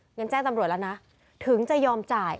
งั้นแจ้งตำรวจแล้วนะถึงจะยอมจ่าย